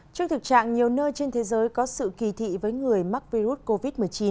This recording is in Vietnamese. trước thực trạng nhiều nơi trên thế giới có sự kỳ thị với người mắc virus covid một mươi chín